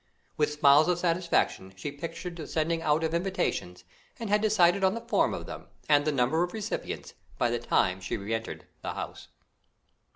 With smiles of satisfaction, she pictured the sending out of the invitations, and had decided on the form of them, and the number of recipients, by the time she re entered the house.